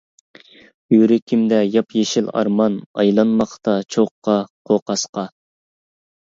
يۈرىكىمدە ياپيېشىل ئارمان، ئايلانماقتا چوغقا، قوقاسقا.